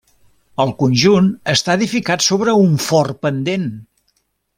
El conjunt està edificat sobre un fort pendent.